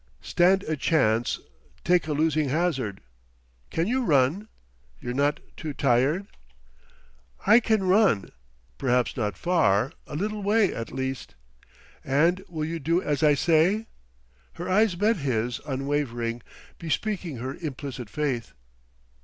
"Stand a chance, take a losing hazard. Can you run? You're not too tired?" "I can run perhaps not far a little way, at least." "And will you do as I say?" Her eyes met his, unwavering, bespeaking her implicit faith.